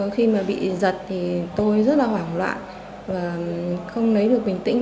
khi mà bị giật thì tôi rất là hoảng loạn và không lấy được bình tĩnh